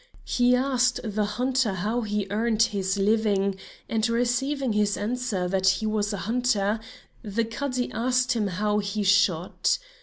He asked the hunter how he earned his living, and receiving his answer that he was a hunter, the Cadi asked him how he shot.